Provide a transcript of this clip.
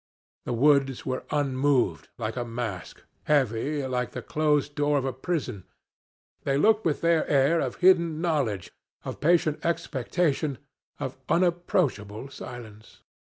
The woods were unmoved, like a mask heavy, like the closed door of a prison they looked with their air of hidden knowledge, of patient expectation, of unapproachable silence.